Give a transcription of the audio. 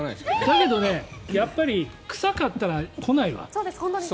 だけど、やっぱり臭かったら来ないわ。